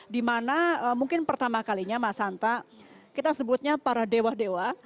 dimana mungkin pertama kalinya mas hanta kita sebutnya para dewa dewa